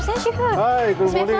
hai hai dokter